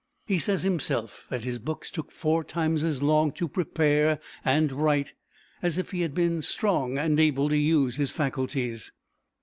He says himself that his books took four times as long to prepare and write as if he had been strong and able to use his faculties.